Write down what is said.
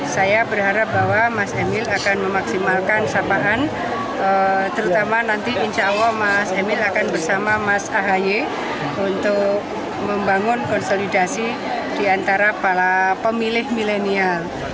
saya berharap bahwa mas emil akan memaksimalkan kesamaan terutama nanti insya allah mas emil akan bersama mas ahaye untuk membangun konsolidasi diantara para pemilih milenial